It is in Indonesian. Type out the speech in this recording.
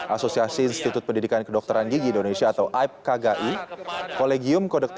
asosiasi institut pendidikan kedokteran gigi indonesia atau aipkgi